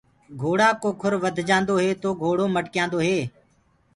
گھوڙآ ڪو کُر وڌجآندو هي تو گھوڙو مڊڪيآندو هي۔